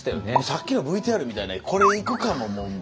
さっきのＶＴＲみたいな「コレ行くか？」ももう。